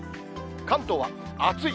関東は暑い！